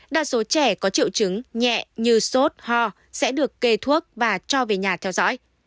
đa số trẻ có triệu chứng nhẹ như sốt ho sẽ được kê thuốc và cho về nhà theo dõi